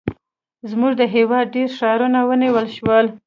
زموږ د هېواد ډېر ښارونه ونیول شول.